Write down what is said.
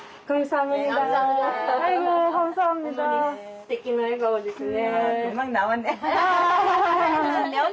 すてきな笑顔ですね。